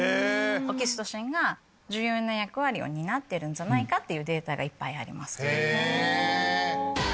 オキシトシンが重要な役割を担ってるんじゃないかっていうデータがいっぱいあります。